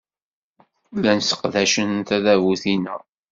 Llan sseqdacen tadabut-inna.